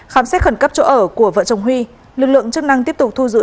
khám xét khẩn cấp chỗ ở của vợ chồng huy lực lượng chức năng tiếp tục thu giữ